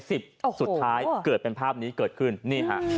สุดท้ายเกิดเป็นภาพนี้เกิดขึ้นนี่ฮะ